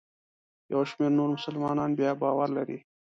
یو شمېر نور مسلمانان بیا باور لري.